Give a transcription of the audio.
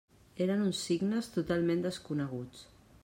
Eren uns signes totalment desconeguts.